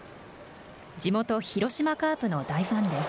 地元広島カープの大ファンです。